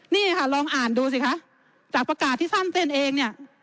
นี่ค่ะลองอ่านดูสิคะจากประกาศที่ท่านเซ็นเอง